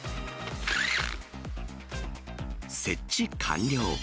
設置完了。